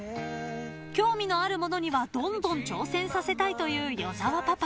［興味のあるものにはどんどん挑戦させたいという与沢パパ］